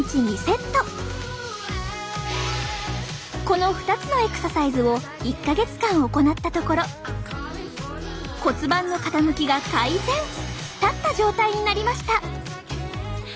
この２つのエクササイズを１か月間行ったところ立った状態になりました。